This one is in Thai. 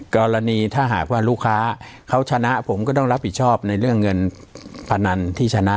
กรณีถ้าหากว่าลูกค้าเขาชนะผมก็ต้องรับผิดชอบในเรื่องเงินพนันที่ชนะ